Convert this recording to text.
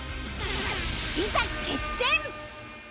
いざ決戦！